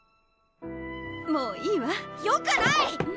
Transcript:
もういいわよくない！